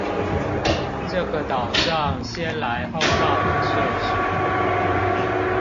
這個島上先來後到的順序